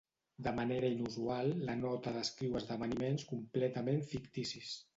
De manera inusual, la nota descriu esdeveniments completament ficticis.